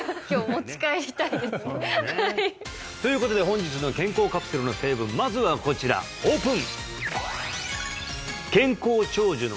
はいはいということで本日の健康カプセルの成分まずはこちらオープン！